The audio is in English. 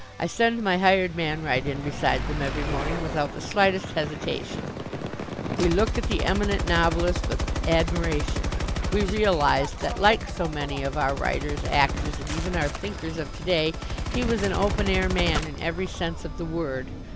I send my hired man right in beside them every morning, without the slightest hesitation." We looked at the Eminent Novelist with admiration. We realized that like so many of our writers, actors, and even our thinkers, of to day, he was an open air man in every sense of the word.